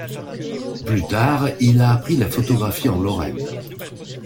Plus tard, il a appris la photographie en Lorraine.